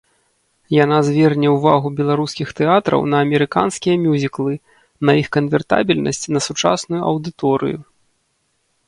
Яна зверне ўвагу беларускіх тэатраў на амерыканскія мюзіклы, на іх канвертабельнасць на сучасную аўдыторыю.